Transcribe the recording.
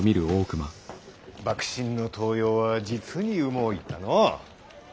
幕臣の登用は実にうもういったのう。